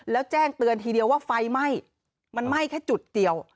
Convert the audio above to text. แล้วแจ้งเตือนทีเดียวว่าไฟไหม้มันไหม้แค่จุดเดียว